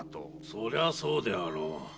それはそうであろう。